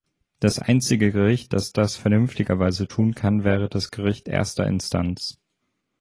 Das einzige Gericht, das das vernünftigerweise tun kann, wäre das Gericht Erster Instanz.